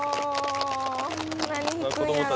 何弾くんやろ？